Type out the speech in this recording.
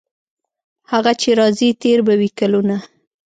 هغه چې راځي تیر به وي کلونه.